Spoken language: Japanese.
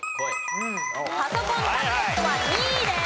パソコンタブレットは２位です。